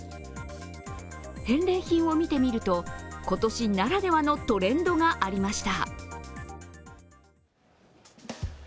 返礼品を見てみると、今年ならではのトレンドがありました。